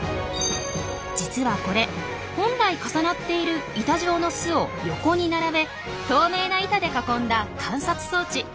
実はこれ本来重なっている板状の巣を横に並べ透明な板で囲んだ観察装置。